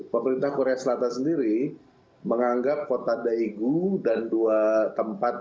pemerintah korea selatan sendiri menganggap kota daegu dan dua tempat